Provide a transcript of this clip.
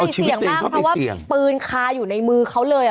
คือเสี่ยงมากเพราะว่าปืนคาอยู่ในมือเขาเลย